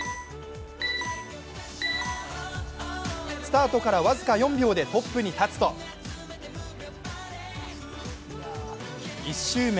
スタートから僅か４秒でトップに立つと１周目